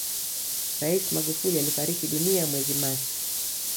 rais magufuli alifariki dunia mwezi machi